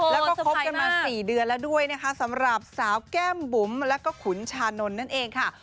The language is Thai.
แล้วก็คบกันมา๔เดือนแล้วด้วยนะคะสำหรับสาวแก้มบุ๋มแล้วก็ขุนชานนท์นั่นเองค่ะ